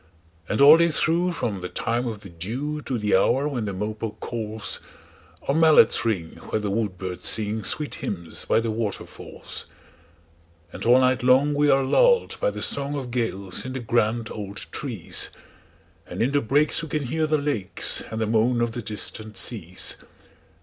And all day through, from the time of the dewTo the hour when the mopoke calls, Our mallets ring where the woodbirds singSweet hymns by the waterfalls. And all night long we are lulled by the songOf gales in the grand old trees; And in the breaks we can hear the lakesAnd the moan of the distant seas.